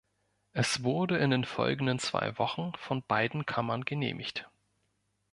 Es wurde in den folgenden zwei Wochen von beiden Kammern genehmigt.